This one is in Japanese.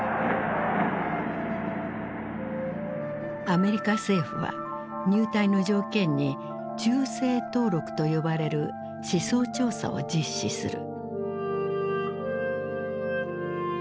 アメリカ政府は入隊の条件に「忠誠登録」と呼ばれる思想調査を実施する。